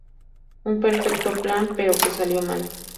Un perfecto plan pero que salió mal.